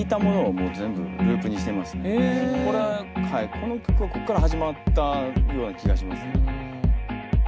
これこの曲はここから始まったような気がします。